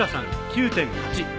９．８。